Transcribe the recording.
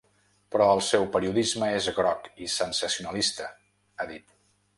Però el seu periodisme és groc i sensacionalista, ha dit.